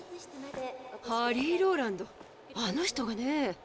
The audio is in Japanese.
ハリー・ローランドあの人がねえ。